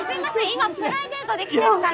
今プライベートで来てるから。